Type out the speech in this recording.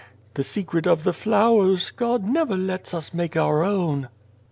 " The secret of the flowers, God never lets us make our own."